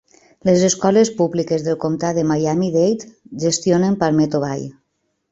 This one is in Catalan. Les escoles públiques del comtat de Miami-Dade gestionen Palmetto Bay.